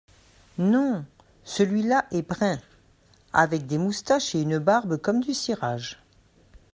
Non… celui-là est brun… avec des moustaches et une barbe comme du cirage.